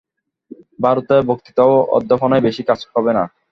ভারতে বক্তৃতা ও অধ্যাপনায় বেশী কাজ হবে না।